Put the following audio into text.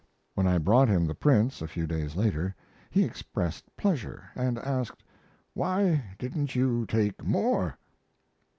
When I brought him the prints, a few days later, he expressed pleasure and asked, "Why didn't you make more?"